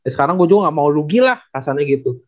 sekarang gue juga gak mau lu gila rasanya gitu